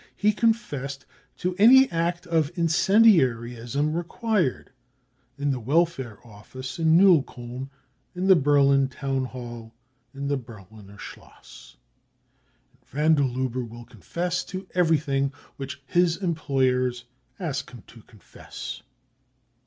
He confessed to any act of incendiarism required : ill the Welfare Office in Neukolln, • in the Berlin Town Hall, in the Berliner Schloss, And van der Lubbe will confess to everything which his employers ask him to confess.